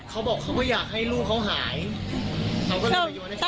เขาบอกเขาก็อยากให้ลูกเขาหาย